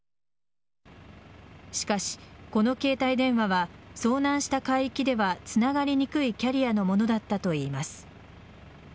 しかし、この携帯電話は遭難した海域ではつながりにくいキャリアのものだったといいます。